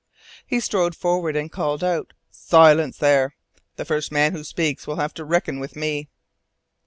He strode forward and called out: "Silence, there! The first man who speaks will have to reckon with me!"